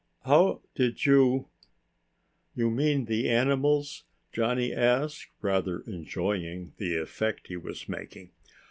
How did you...?" "You mean the animals?" Johnny asked, rather enjoying the effect he was making.